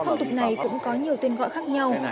phong tục này cũng có nhiều tên gọi khác nhau